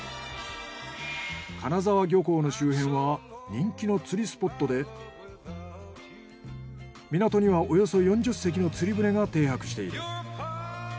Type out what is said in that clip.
金沢漁港の周辺は人気の釣りスポットで港にはおよそ４０隻の釣船が停泊している。